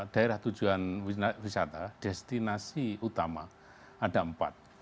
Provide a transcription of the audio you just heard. daerah tujuan wisata destinasi utama ada empat